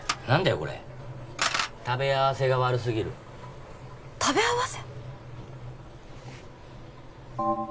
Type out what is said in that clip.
これ食べ合わせが悪すぎる食べ合わせ？